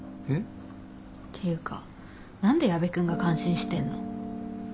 えっ？ていうか何で矢部君が感心してんの？